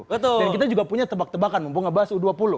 dan kita juga punya tebak tebakan mumpung ngebahas u dua puluh